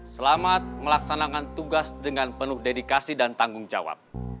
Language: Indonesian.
selamat melaksanakan tugas dengan penuh dedikasi dan tanggung jawab